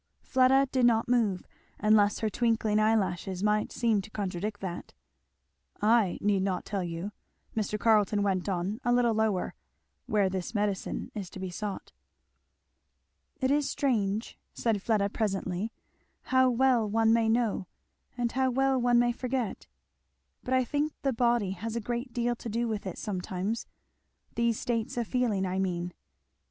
Fleda did not move, unless her twinkling eyelashes might seem to contradict that. "I need not tell you," Mr. Carleton went on a little lower, "where this medicine is to be sought." "It is strange," said Fleda presently, "how well one may know and how well one may forget. But I think the body has a great deal to do with it sometimes these states of feeling, I mean."